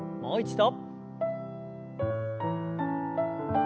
もう一度。